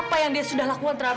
belinya punya daha per grill